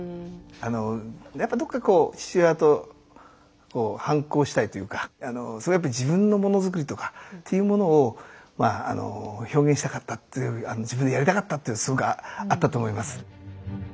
やっぱどっかこう父親と反抗したいというか自分のものづくりとかというものを表現したかったっていう自分でやりたかったっていうのすごくあったと思います。